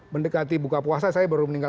mendekati buka puasa saya baru meninggal